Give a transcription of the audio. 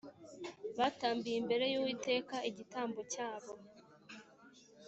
batambiye imbere y Uwiteka igitambo cyabo